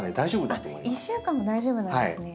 あっ１週間も大丈夫なんですね。